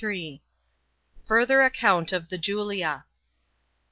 Further Acconnt of the Julia.